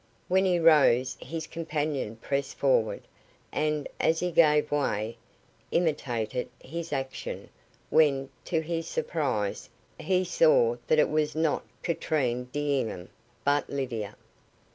When he rose his companion pressed forward, and, as he gave way, imitated his action, when, to his surprise, he saw that it was not Katrine D'Enghien, but Lydia.